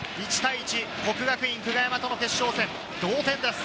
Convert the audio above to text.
１対１、國學院久我山との決勝戦、同点です。